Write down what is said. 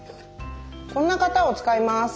こんな型を使います。